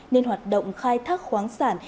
nên hoạt động khai thác khoáng sản